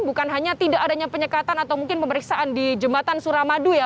bukan hanya tidak adanya penyekatan atau mungkin pemeriksaan di jembatan suramadu ya